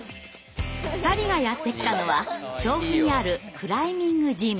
２人がやって来たのは調布にあるクライミングジム。